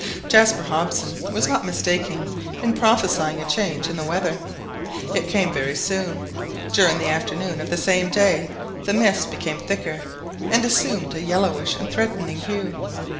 Jaspar Hobson was not mistaken in prophesying a change in the weather. It came very soon. During the afternoon of the same day the mist became thicker, and assumed a yellowish and threatening hue.